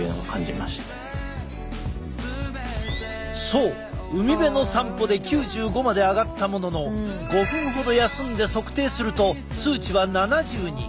そう海辺の散歩で９５まで上がったものの５分ほど休んで測定すると数値は７０に。